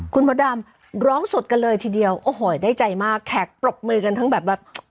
คุณพ่อดำร้องสดกันเลยทีเดียวได้ใจมากแขกปลกมือกันทั้งแบบ